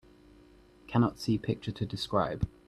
Cannot see picture to describe.